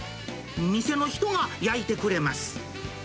店の人が焼いてくれます。